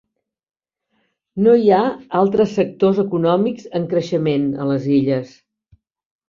No hi ha altres sectors econòmics en creixement a les illes.